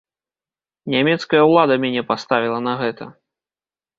Нямецкая ўлада мяне паставіла на гэта.